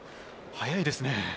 早いですね。